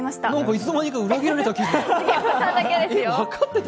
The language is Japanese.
いつの間にか裏切られた気分。